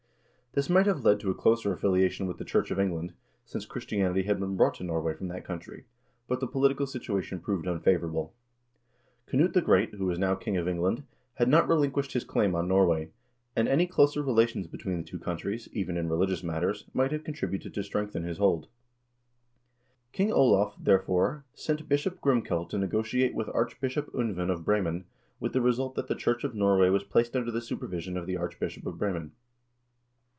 This might have led to a closer affilia tion with the Church of England, since Christianity had been brought to Norway from that country, but the political situation proved unfavorable. Knut the Great, who was now king of England, had not relinquished his claim on Norway, and any closer relations between the two countries, even in religious matters, might have contributed to strengthen his hold. King Olav, therefore, sent Bishop Grimkel to negotiate with Archbishop Unvan of Bremen, with the result that the Church of Norway was placed under the supervision of the Arch bishop of Bremen.